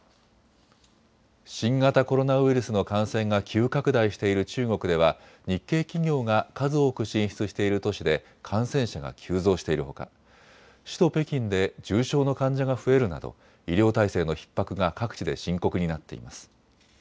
新型コロナウイルスの感染が急拡大している中国では日系企業が数多く進出している都市で感染者が急増しているほか、首都・北京で重症の患者が増えるなど医療体制のひっ迫が各地で深刻になっています。